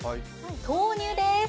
豆乳です！